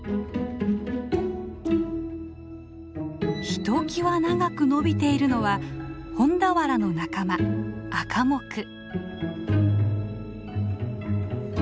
ひときわ長く伸びているのはホンダワラの仲間アカモク。